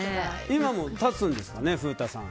今も立つんですかね、風太さん。